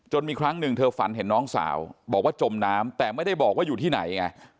มีครั้งหนึ่งเธอฝันเห็นน้องสาวบอกว่าจมน้ำแต่ไม่ได้บอกว่าอยู่ที่ไหนไง